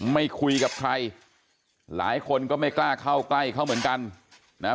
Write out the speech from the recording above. ไม่คุยกับใครหลายคนก็ไม่กล้าเข้าใกล้เขาเหมือนกันนะฮะ